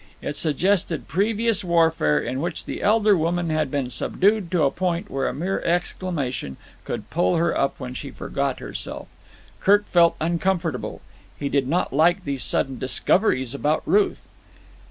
It suggested previous warfare, in which the elder woman had been subdued to a point where a mere exclamation could pull her up when she forgot herself. Kirk felt uncomfortable. He did not like these sudden discoveries about Ruth.